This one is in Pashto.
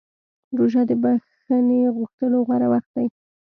روژه د بښنې غوښتلو غوره وخت دی.